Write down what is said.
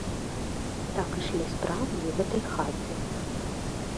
Так ішлі справы ў гэтай хаце.